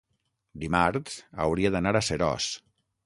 dimarts hauria d'anar a Seròs.